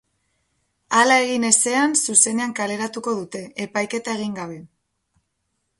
Hala egin ezean, zuzenean kaleratuko dute, epaiketa egin gabe.